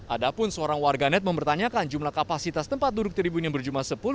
adapun seorang warga net mempertanyakan jumlah kapasitas tempat duduk tribun yang berjumlah sebesar ini